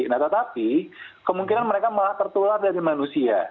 nah tetapi kemungkinan mereka malah tertular dari manusia